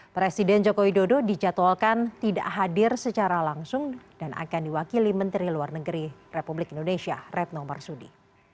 presiden joko widodo dijadwalkan tidak hadir secara langsung dan akan diwakili menteri luar negeri republik indonesia retno marsudi